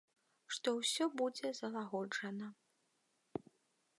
Што ўсё будзе залагоджана.